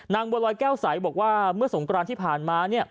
บัวลอยแก้วใสบอกว่าเมื่อสงกรานที่ผ่านมา